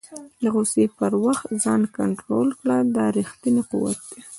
د غوسې پر وخت ځان کنټرول کړه، دا ریښتنی قوت دی.